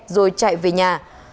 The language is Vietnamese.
rồi chạy về nhà